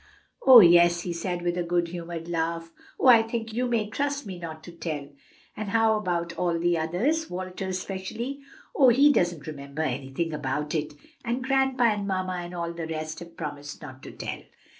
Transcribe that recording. "Oh, yes!" he said, with a good humored laugh. "Well, I think you may trust me not to tell. But how about all the others? Walter, especially?" "Oh, he doesn't remember anything about it; and grandpa and mamma and all the rest have promised not to tell."